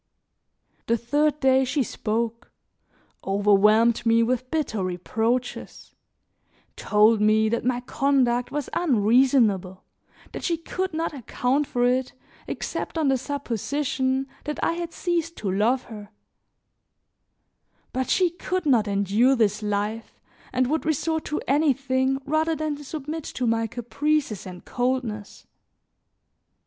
The third day she spoke, overwhelmed me with bitter reproaches, told me that my conduct was unreasonable, that she could not account for it except on the supposition that I had ceased to love her; but she could not endure this life and would resort to anything rather than submit to my caprices and coldness.